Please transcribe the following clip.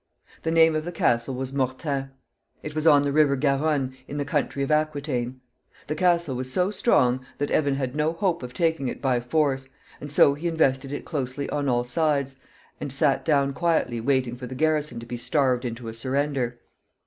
The name of the castle was Mortain. It was on the River Garonne, in the country of Aquitaine. The castle was so strong that Evan had no hope of taking it by force, and so he invested it closely on all sides, and sat down quietly waiting for the garrison to be starved into a surrender.